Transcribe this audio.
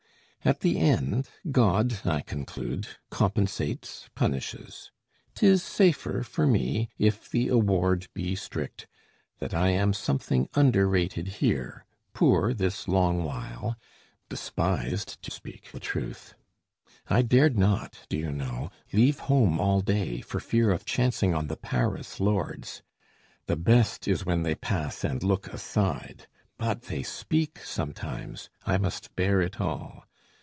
At the end, God, I conclude, compensates, punishes. 'Tis safer for me, if the award be strict, That I am something underrated here, Poor this long while, despised, to speak the truth. I dared not, do you know, leave home all day, For fear of chancing on the Paris lords. The best is when they pass and look aside; But they speak sometimes: I must bear it all.